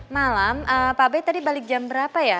malam pak be tadi balik jam berapa ya